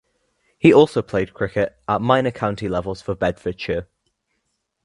He also played cricket at minor counties level for Bedfordshire.